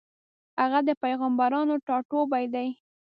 هغه د پېغمبرانو ټاټوبی دی.